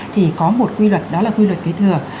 thì có một quy luật đó là quy luật kế thừa